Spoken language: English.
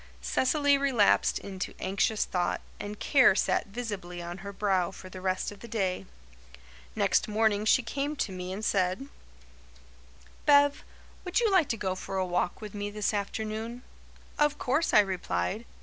Cecily relapsed into anxious thought, and care sat visibly on her brow for the rest of the day. Next morning she came to me and said: "Bev, would you like to go for a walk with me this afternoon?" "Of course," I replied.